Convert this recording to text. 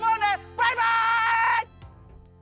バイバイ！